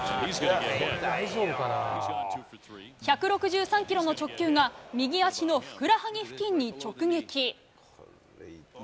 １６３キロの直球が右足のふくらはぎ付近に直撃。